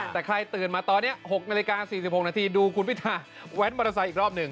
แต่ใครตื่นมาตอนนี้๖นาฬิกา๔๖นาทีดูคุณพิธาแว้นมอเตอร์ไซค์อีกรอบหนึ่ง